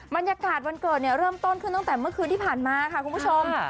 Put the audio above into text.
บรรยากาศวันเกิดเริ่มต้นขึ้นตั้งแต่เมื่อคืนที่ผ่านมาค่ะคุณผู้ชม